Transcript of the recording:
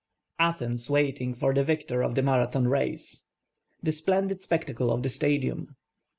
ATHENS W.MTiXc; 1 OR THE VICTOR OF THE iM.VRATHON RACE. The Splendid Spectacle cf the Stadium.